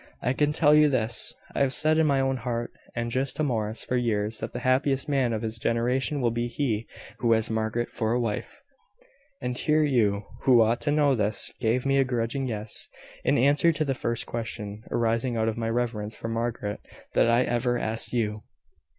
I can tell you this I have said in my own heart, and just to Morris, for years, that the happiest man of his generation will be he who has Margaret for a wife: and here you, who ought to know this, give me a grudging `Yes,' in answer to the first question, arising out of my reverence for Margaret, that I ever asked you!"